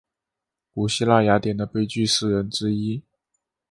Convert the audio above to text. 古希腊雅典的悲剧诗人之一。